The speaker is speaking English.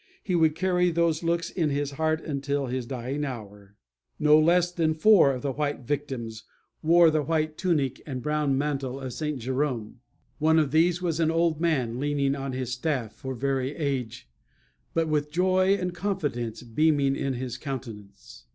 He would carry those looks in his heart until his dying hour. No less than four of the victims wore the white tunic and brown mantle of St. Jerome. One of these was an old man leaning on his staff for very age, but with joy and confidence beaming in his countenance.